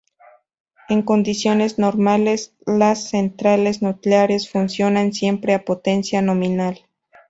En condiciones normales, las centrales nucleares funcionan siempre a potencia nominal.